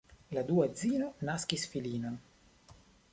La dua edzino naskis filinon.